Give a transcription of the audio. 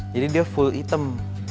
jadi dia full hitam